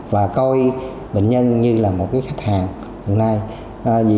và coi bệnh nhân như là một khách hàng